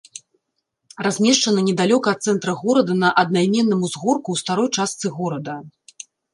Размешчана недалёка ад цэнтра горада на аднайменным узгорку ў старой частцы горада.